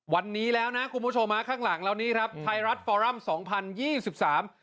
วันนี้แล้วนะคุณผู้ชมฮะข้างหลังเรานี้ครับไทยรัฐฟอรัมสองพันยี่สิบสาม